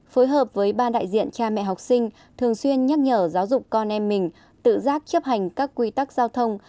phối hợp với ban đại diện cha mẹ học sinh thường xuyên nhắc nhở giáo dục con em mình tự giác chấp hành các quy tắc giao thông